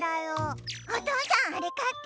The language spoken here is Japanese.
おとうさんあれかって！